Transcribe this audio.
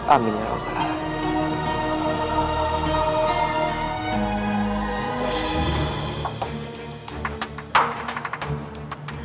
amin ya allah